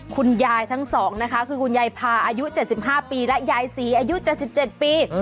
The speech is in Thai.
คุณยายทั้งสองนะคะคือคุณยายพาอายุ๗๕ปีและยายศรีอายุ๗๗ปี